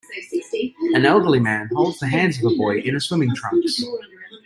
An elderly man holds the hands of a boy in a swimming trunks.